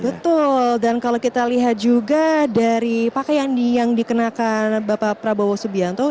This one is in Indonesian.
betul dan kalau kita lihat juga dari pakaian yang dikenakan bapak prabowo subianto